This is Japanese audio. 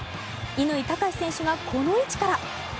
乾貴士選手がこの位置から。